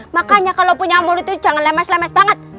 makanya kalo punya amal itu jangan lemes lemes banget